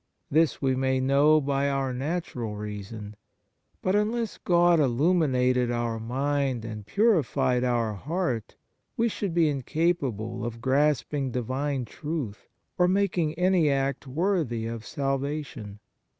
This we may know by our natural reason; but unless God illuminated our mind and purified our heart we should be incapable of grasping Divine truth or making any act worthy of salvation.